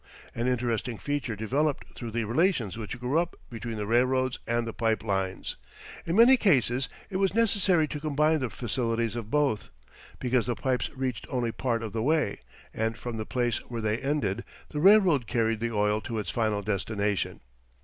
An interesting feature developed through the relations which grew up between the railroads and the pipe lines. In many cases it was necessary to combine the facilities of both, because the pipes reached only part of the way, and from the place where they ended the railroad carried the oil to its final destination.